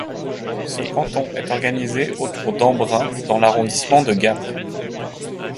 Ce canton est organisé autour d'Embrun dans l'arrondissement de Gap.